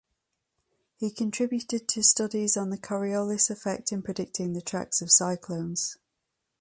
He contributed to studies on the Coriolis effect in predicting the tracks of cyclones.